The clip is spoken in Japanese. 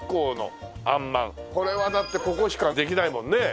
これはだってここしかできないもんね。